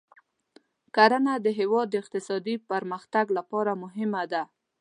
کرنه د هېواد د اقتصادي پرمختګ لپاره مهمه ده.